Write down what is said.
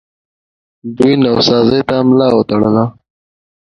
دوی نوسازۍ ته ملا وتړله